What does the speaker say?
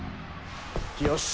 よし！